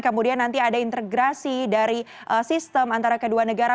kemudian nanti ada integrasi dari sistem antara kedua negara